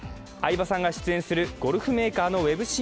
相葉さんが出演するゴルフメーカーのウェブ